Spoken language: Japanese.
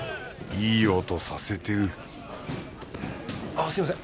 いい音させてるあっすみません。